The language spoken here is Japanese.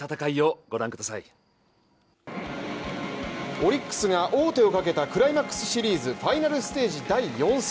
オリックスが王手をかけたクライマックスシリーズファイナルステージ第４戦。